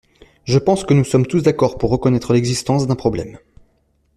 Je pense que nous sommes tous d’accord pour reconnaître l’existence d’un problème.